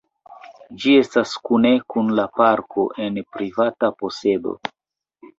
Ĝi estas kune kun la parko en privata posedo.